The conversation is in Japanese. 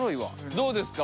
どうですか？